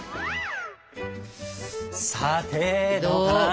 さてどうかな？